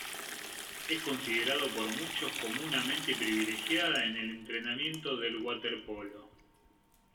Es considerado por muchos como una mente privilegiada en el entrenamiento del waterpolo.